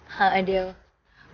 hah eh dew